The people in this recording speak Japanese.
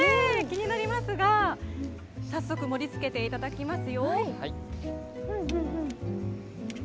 気になりますが早速、盛りつけていただきます。